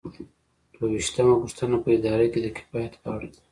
دوه ویشتمه پوښتنه په اداره کې د کفایت په اړه ده.